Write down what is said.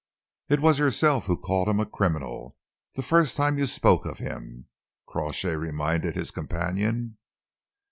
"It was you yourself who called him a criminal, the first time you spoke of him," Crawshay reminded his companion.